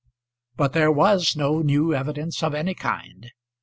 But there was no new evidence of any kind.